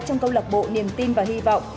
trong câu lạc bộ niềm tin và hy vọng